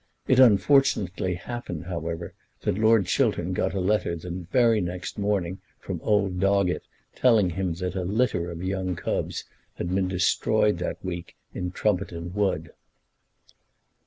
It unfortunately happened, however, that Lord Chiltern got a letter the very next morning from old Doggett telling him that a litter of young cubs had been destroyed that week in Trumpeton Wood.